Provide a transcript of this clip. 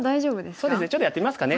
そうですねちょっとやってみますかね。